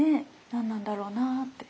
何なんだろうなって。